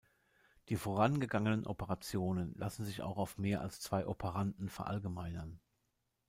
Die vorangegangenen Operationen lassen sich auch auf mehr als zwei Operanden verallgemeinern.